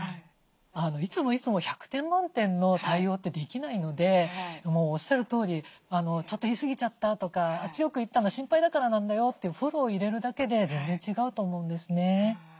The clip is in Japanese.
いつもいつも１００点満点の対応ってできないのでもうおっしゃるとおり「ちょっと言い過ぎちゃった」とか「強く言ったのは心配だからなんだよ」ってフォロー入れるだけで全然違うと思うんですね。